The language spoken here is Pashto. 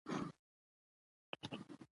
افغانستان د سیلانی ځایونه په اړه علمي څېړنې لري.